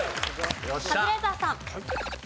カズレーザーさん。